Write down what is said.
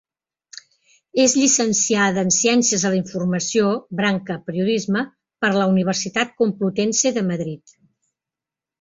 És llicenciada en Ciències de la Informació, branca Periodisme, per la Universitat Complutense de Madrid.